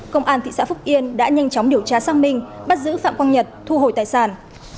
công an thị xã phúc yên đã nhanh chóng điều tra xác minh bắt giữ phạm quang nhật thu hồi tài sản